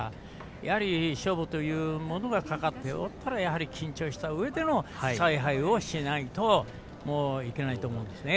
そういう勝負というものがかかっていたら緊張したうえでの采配をしないといけないと思うんですね。